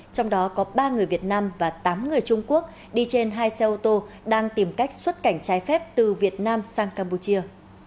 trong đó có ba người việt nam và tám người trung quốc đi trên hai xe ô tô đang tìm cách xuất cảnh trái phép từ việt nam sang campuchia